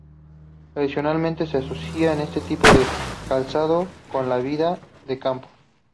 Tradicionalmente, se ha asociado este tipo de calzado con la vida de campo.